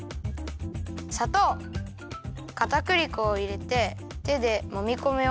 さとうかたくり粉をいれててでもみこむよ。